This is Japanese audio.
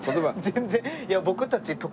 全然。